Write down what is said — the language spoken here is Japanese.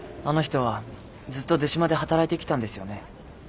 あの人はずっと出島で働いてきたんですよね？